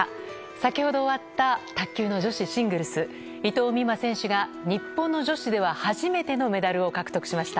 先ほど終わった卓球の女子シングルス伊藤美誠選手が日本の女子では初めてのメダルを獲得しました。